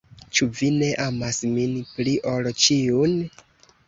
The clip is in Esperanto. Ĉu vi ne amas min pli ol ĉiun?